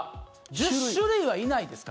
１０種類はいないですか？